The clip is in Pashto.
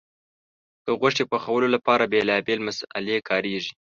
د غوښې پخولو لپاره بیلابیل مسالې کارېږي.